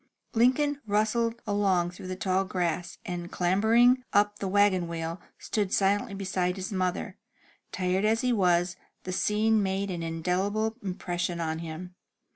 Lincoln rustled along through the tall grass, and, clambering up the wagon wheel, stood silently beside his mother. Tired as he was, the scene made an indelible impression on him.